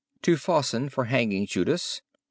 to Fawston for hanging Judas, ivd.